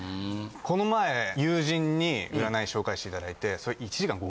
この前友人に占い紹介して頂いてそれ。